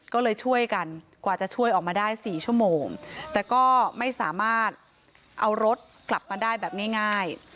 ก็เลยช่วยกันกว่าจะช่วยออกมาได้๔ชั่วโมงแต่ก็ไม่สามารถเอารถกลับมาได้แบบง่าย